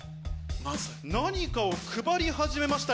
何かを配り始めました